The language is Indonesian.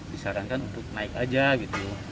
disarankan untuk naik aja gitu